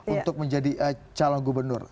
untuk menjadi calon gubernur